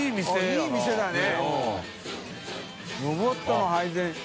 いい店だね。